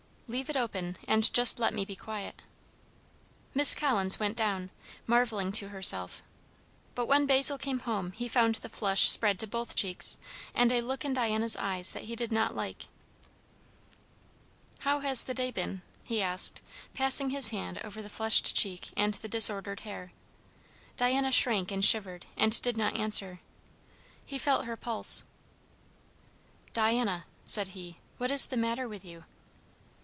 "Leave it open and just let me be quiet." Miss Collins went down, marvelling to herself. But when Basil came home he found the flush spread to both cheeks, and a look in Diana's eyes that he did not like. "How has the day been?" he asked, passing his hand over the flushed cheek and the disordered hair. Diana shrank and shivered and did not answer. He felt her pulse. "Diana," said he, "what is the matter with you?"